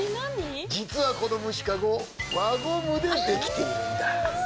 実は、この虫かご輪ゴムでできているんだ。